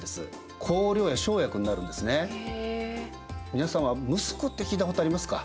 皆さんはムスクって聞いたことありますか。